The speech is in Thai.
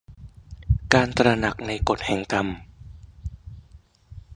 การตระหนักในกฎแห่งกรรม